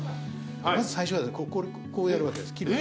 まず最初はこうやるわけです切る。